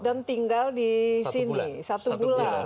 dan tinggal di sini satu bulan